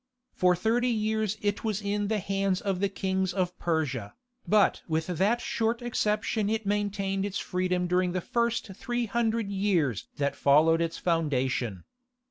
For thirty years it was in the hands of the kings of Persia, but with that short exception it maintained its freedom during the first three hundred years that followed its foundation.